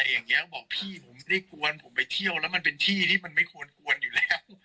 อย่างนี้บอกพี่ผมไม่ได้กวนผมไปเที่ยวแล้วมันเป็นที่ที่มันไม่ควรกวนอยู่แล้ว